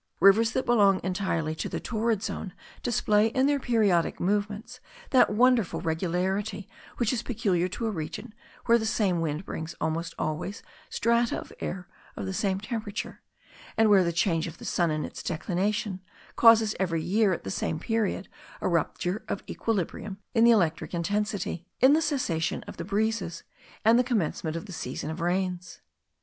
Rivers that belong entirely to the torrid zone display in their periodical movements that wonderful regularity which is peculiar to a region where the same wind brings almost always strata of air of the same temperature; and where the change of the sun in its declination causes every year at the same period a rupture of equilibrium in the electric intensity, in the cessation of the breezes, and the commencement of the season of rains.